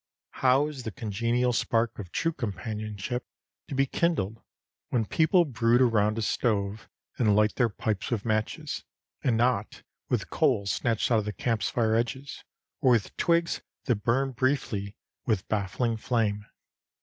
How is the congenial spark of true companionship to be kindled when people brood around a stove and light their pipes with matches, and not with coals snatched out of the camp fire's edge, or with twigs that burn briefly with baffling flame?